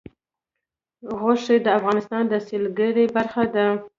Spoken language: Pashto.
غوښې د افغانستان د سیلګرۍ برخه ده.